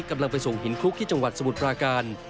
กำลังไปส่งหินคลุกที่จังหวัดสมุทรปราการ